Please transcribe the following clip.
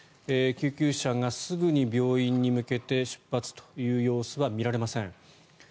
救急車がすぐに病院に向けて出発という様子は見られません。